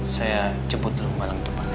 saya jemput dulu humbalang depannya